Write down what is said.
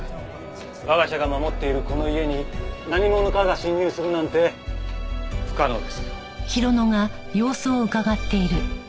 我が社が守っているこの家に何者かが侵入するなんて不可能です。